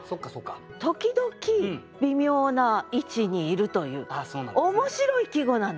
時々微妙な位置にいるという面白い季語なんですよ。